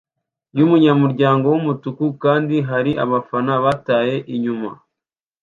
yumunyamuryango wumutuku kandi hari abafana bataye inyuma